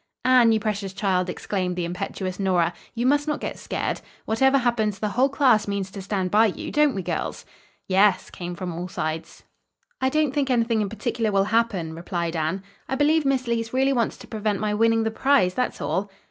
"Anne, you precious child," exclaimed the impetuous Nora, "you must not get scared. Whatever happens, the whole class means to stand by you. Don't we, girls?" "Yes," came from all sides. "I don't think anything in particular will happen," replied Anne. "I believe Miss Leece really wants to prevent my winning the prize. That's all."